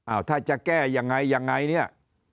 อ้าวถ้าจะแก้ยังไงเนี่ย